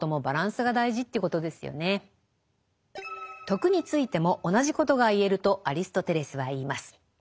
「徳」についても同じことが言えるとアリストテレスは言います。